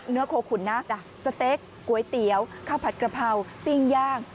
โคขุนนะสเต็กก๋วยเตี๋ยวข้าวผัดกระเพราปิ้งย่าง